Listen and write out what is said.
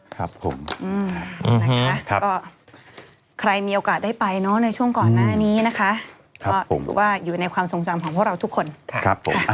อธิบายใครมีโอกาสได้ไปในช่วงก่อนหน้านี้อยู่ในความทรงจำของพวกเราทุกคน